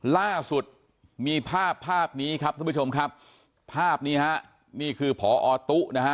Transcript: ล่าสุดมีภาพนี้ครับท่านผู้ชมครับภาพนี้นี่คือผอตุ๋